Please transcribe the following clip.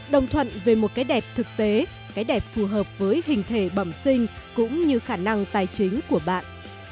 đồng thuận về một cái đẹp thực tế cái đẹp phù hợp với hình thể bẩm sinh cũng như khả năng tài chính của bạn